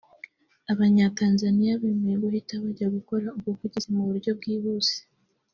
Abanya-Tanzania bemeye guhita bajya gukora ubuvugizi mu buryo bwihuse